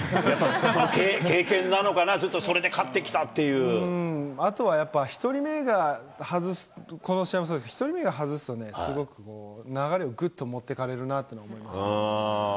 経験なのかな、ずっとそれであとはやっぱ、１人目が外す、この試合もそうですけど、１人目が外すとね、すごく流れをぐっと持ってかれるなというのは思いますね。